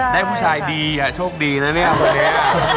ได้ผู้ชายดีโชคดีนะเนี่ยคนนี้